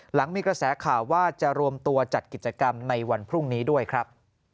หลังมีกระแสข่าวว่าจะรวมตัวจัดกิจกรรมในวันพรุ่งนี้ด้วยครับ